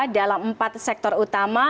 dalam empat sektor utama